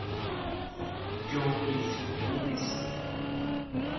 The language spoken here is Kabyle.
John wel yettnejjem ad ysenter.